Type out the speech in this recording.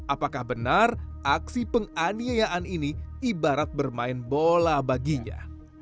apakah benar aksi penganiayaan ini ibarat bermain bola baginya